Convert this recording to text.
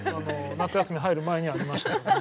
夏休み入る前にありましたよね。